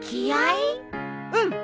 うん！